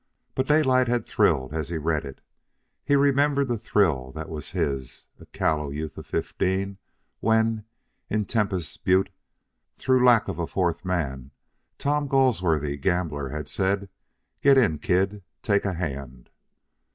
But Daylight had thrilled as he read it. He remembered the thrill that was his, a callow youth of fifteen, when, in Tempas Butte, through lack of a fourth man, Tom Galsworthy, the gambler, had said, "Get in, Kid; take a hand."